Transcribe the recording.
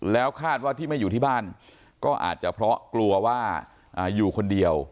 แล้วคาดว่าที่ไม่อยู่ที่บ้านก็อาจจะเพราะกลัวว่าอยู่คนเดียว